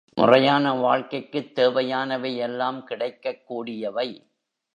முறையான வாழ்க்கைக்குத் தேவையானவை எல்லாம் கிடைக்கக் கூடியவை.